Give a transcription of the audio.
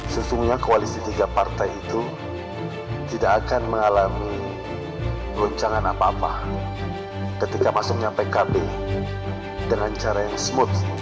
sesungguhnya koalisi tiga partai itu tidak akan mengalami goncangan apa apa ketika masuknya pkb dengan cara yang smooth